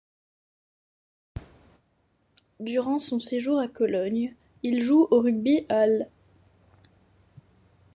Durant son séjour à Cologne, il joue au rugby à l'.